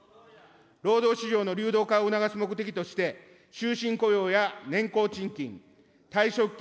労働市場の流動化を促す目的として、終身雇用や年功賃金、退職金、